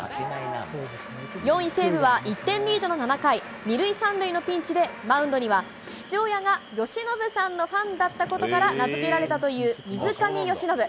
４位西武は１点リードの７回、２塁３塁のピンチで、マウンドには父親が由伸さんのファンだったことから名付けられたという水上由伸。